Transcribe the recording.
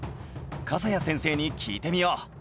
笠谷先生に聞いてみよう